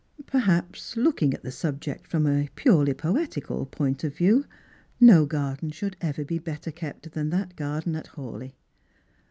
Perhaps, looking at the subject from a purely poetical point of view, no garden should ever be better kept than that garden at Hawleigh.